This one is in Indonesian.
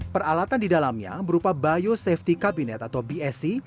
peralatan di dalamnya berupa biosafety kabinet atau bsc